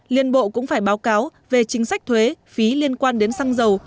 liên bộ cũng phải báo cáo về chính sách thuế phí liên quan đến xăng dầu